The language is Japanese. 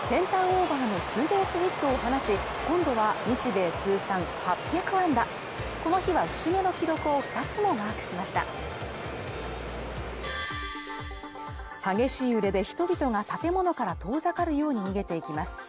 オーバーのツーベースヒットを放ち今度は日米通算８００安打この日は節目の記録を２つもマークしました激しい揺れで人々が建物から遠ざかるように逃げていきます